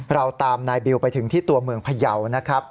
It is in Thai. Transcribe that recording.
เราตามนายบิวไปถึงที่ตัวเมืองพยาวนะครับ